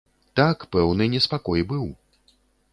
Так, пэўны неспакой быў.